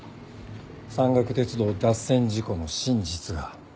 山岳鉄道脱線事故の真実が。